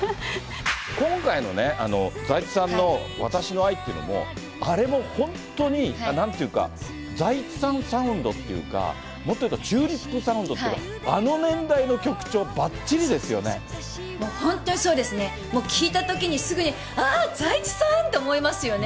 今回のね、財津さんの私の愛っていうのも、あれも本当になんというか、財津さんサウンドというか、もっと言うとチューリップサウンドっていうか、本当にそうですね、もう聴いたときにすぐにあー、財津さん！って思いますよね。